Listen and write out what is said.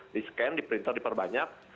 di scan di printer diperbanyak